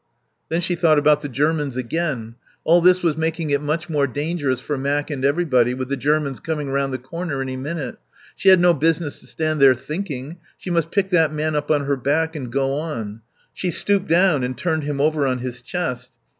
Then she thought about the Germans again. All this was making it much more dangerous for Mac and everybody, with the Germans coming round the corner any minute; she had no business to stand there thinking; she must pick that man up on her back and go on. She stooped down and turned him over on his chest.